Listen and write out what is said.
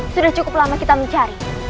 sudah cukup lama kita mencari